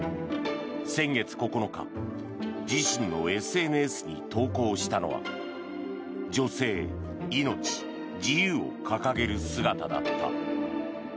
先月９日自身のＳＮＳに投稿したのは「女性、命、自由」を掲げる姿だった。